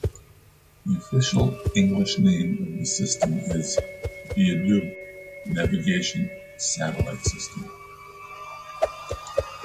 The official English name of the system is "BeiDou Navigation Satellite System".